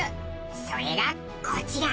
それが、こちら。